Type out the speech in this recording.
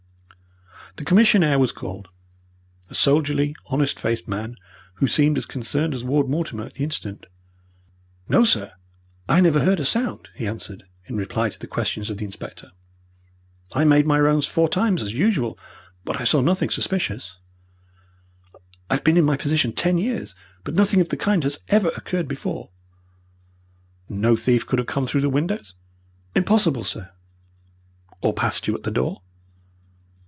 The commissionaire was called a soldierly, honest faced man, who seemed as concerned as Ward Mortimer at the incident. "No, sir, I never heard a sound," he answered, in reply to the questions of the inspector. "I made my rounds four times, as usual, but I saw nothing suspicious. I've been in my position ten years, but nothing of the kind has ever occurred before." "No thief could have come through the windows?" "Impossible, sir." "Or passed you at the door?"